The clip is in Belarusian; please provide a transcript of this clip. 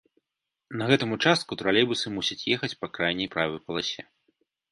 На гэтым участку тралейбусы мусяць ехаць па крайняй правай паласе.